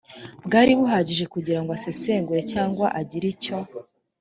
bwari buhagije kugira ngo asesengure cyangwa agire icyo